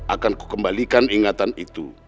akan ku kembalikan ingatan itu